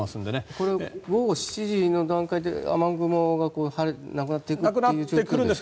これは午後７時の段階で雨雲がなくなっていくんですか？